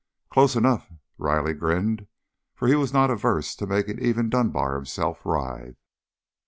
"Close enough." Riley grinned, for he was not averse to making even Dunbar himself writhe.